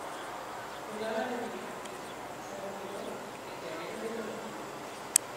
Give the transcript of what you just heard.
Jugaba de mediocampista y se retiró en Llaneros de Colombia.